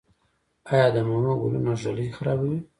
آیا د مڼو ګلونه ږلۍ خرابوي؟